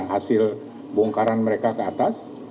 hasil bongkaran mereka ke atas